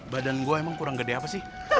badan gue emang kurang gede apa sih